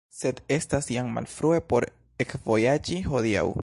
Sed estas jam malfrue por ekvojaĝi hodiaŭ.